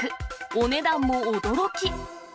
お値段も驚き。